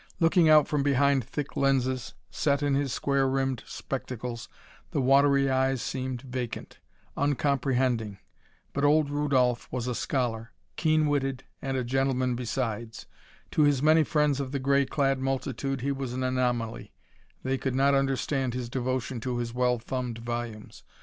Looking out from behind thick lenses set in his square rimmed spectacles, the watery eyes seemed vacant; uncomprehending. But old Rudolph was a scholar keen witted and a gentleman besides. To his many friends of the gray clad multitude he was an anomaly; they could not understand his devotion to his well thumbed volumes.